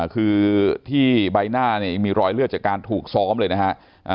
คือที่ใบหน้าเนี่ยยังมีรอยเลือดจากการถูกซ้อมเลยนะฮะ